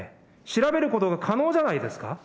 調べることが可能じゃないですか。